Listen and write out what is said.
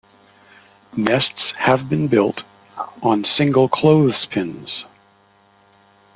Nests have been built on single clothespins.